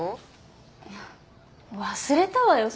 いや忘れたわよ